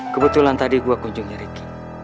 kebetulan tadi gue kunjungi ricky